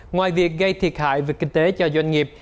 ngoài việc gây thiệt hại về kinh tế cho doanh nghiệp